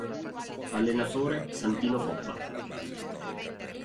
Allenatore: Santino Coppa.